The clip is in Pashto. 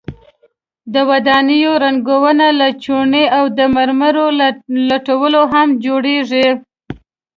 د ودانیو رنګونه له چونې او د مرمرو له لوټو هم جوړیږي.